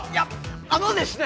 あのですね